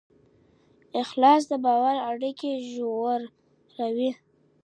اخلاص د باور اړیکې ژوروي,